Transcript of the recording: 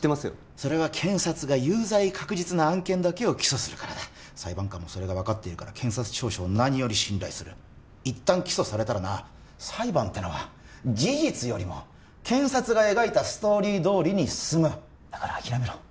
それは検察が有罪確実な案件だけを起訴するからだ裁判官もそれが分かってるから検察調書を何より信頼する一旦起訴されたらな裁判ってのは事実よりも検察が描いたストーリーどおりに進むだから諦めろ